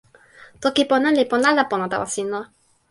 toki pona li pona ala pona tawa sina?